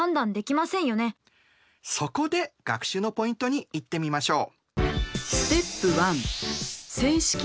そこで学習のポイントにいってみましょう！